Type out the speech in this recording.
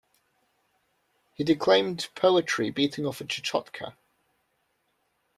He declaimed poetry, beating off a chechotka.